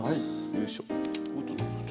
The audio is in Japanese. よいしょ。